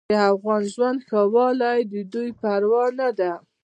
د افغان ژوند ښهوالی د دوی پروا نه ده.